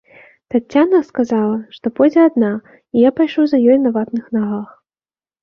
Таццяна сказала, што пойдзе адна, і я пайшоў за ёй на ватных нагах.